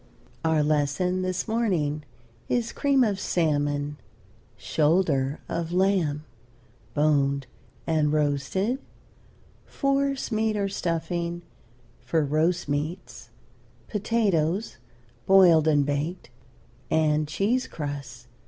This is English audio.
Our lesson this morning is cream of salmon; shoulder of lamb, boned and roasted; force meat or stuffing for roast meats; potatoes, boiled and baked; and cheese crusts.